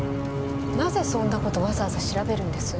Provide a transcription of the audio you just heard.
なぜそんな事わざわざ調べるんです？